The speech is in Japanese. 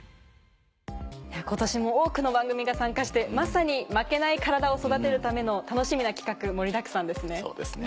今年も多くの番組が参加してまさに負けないカラダを育てるための楽しみな企画盛りだくさんですね。